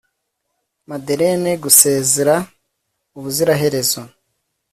madeleine, gusezera ubuziraherezo